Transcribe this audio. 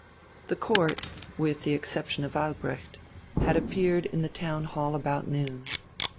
The Court (with the exception of Albrecht) had appeared in the Town Hall about noon.